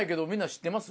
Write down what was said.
知ってます。